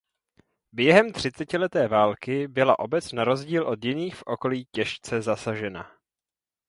Během třicetileté války byla obec na rozdíl od jiných v okolí těžce zasažena.